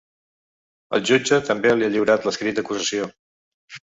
El jutge també li ha lliurat l’escrit d’acusació.